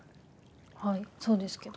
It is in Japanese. はいそうですけど。